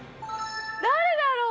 誰だろう？